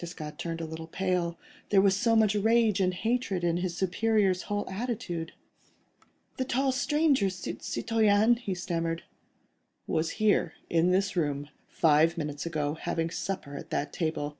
Desgas turned a little pale. There was so much rage and hatred in his superior's whole attitude. "The tall stranger, citoyen—" he stammered. "Was here, in this room, five minutes ago, having supper at that table.